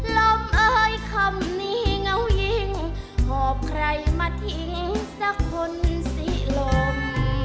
ลมเอ่ยคำนี้เงายิ่งหอบใครมาทิ้งสักคนสิลม